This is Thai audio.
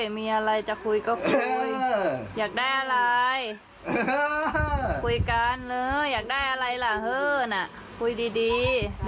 มีอะไรจะคุยก็คุยอยากได้อะไรคุยกันอยากได้อะไรล่ะเฮ้อน่ะคุยดี